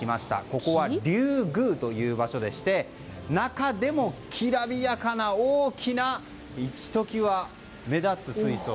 ここは龍宮という場所でして中でも、きらびやかな大きなひときわ目立つ水槽。